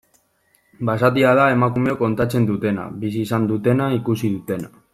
Basatia da emakumeok kontatzen dutena, bizi izan dutena, ikusi dutena.